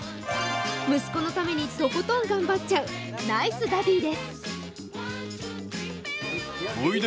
息子のためにとことん頑張っちゃうナイスダディーです。